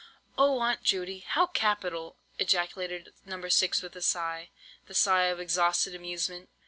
"Oh, Aunt Judy, how capital!" ejaculated No. 6, with a sigh, the sigh of exhausted amusement.